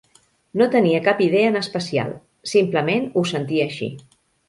No tenia cap idea en especial, simplement ho sentia així.